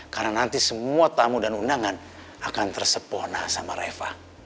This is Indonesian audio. karena nanti semua tamu dan undangan akan tersepona sama reva